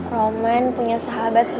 roman punya sahabat sebaik lo sam